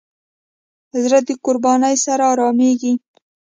زړه د قربانۍ سره آرامېږي.